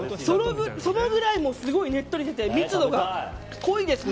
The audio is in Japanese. そのぐらいねっとりしてて密度が濃いですね。